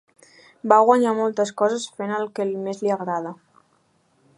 Va guanyar moltes coses fent el que més li agrada.